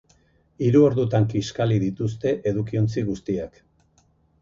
Hiru ordutan kiskali dituzte edukiontzi guztiak.